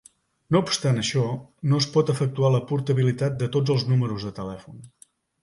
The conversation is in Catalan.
No obstant això, no es pot efectuar la portabilitat de tots els números de telèfon.